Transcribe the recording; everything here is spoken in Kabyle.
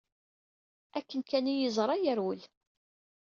Akken kan ay iyi-yeẓra, yerwel.